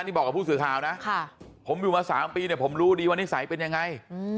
นี่บอกกับผู้สื่อข่าวนะผมอยู่มา๓ปีเนี่ยผมรู้ดีว่านิสัยเป็นยังไง